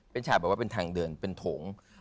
เป็นฉากแบบว่าเป็นทางเดินเป็นโถง